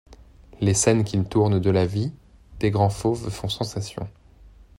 Les scènes qu'il tourne de la vie des grands fauves font sensation.